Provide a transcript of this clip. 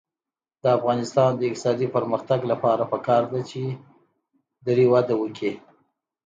د افغانستان د اقتصادي پرمختګ لپاره پکار ده چې دري وده وکړي.